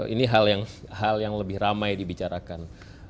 ini hal yang lebih ramai dibicarakan